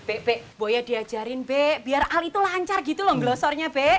eh be boya diajarin be biar al itu lancar gitu loh gelosornya be